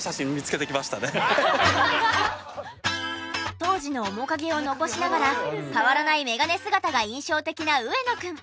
当時の面影を残しながら変わらないメガネ姿が印象的な上野くん。